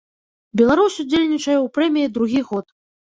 Беларусь удзельнічае ў прэміі другі год.